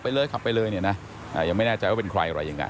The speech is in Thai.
อย่าอย่าอย่าอย่าอย่าอย่าอย่าอย่าอย่าอย่าอย่าอย่าอย่าอย่าอย่า